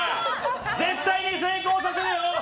絶対に成功させるよ！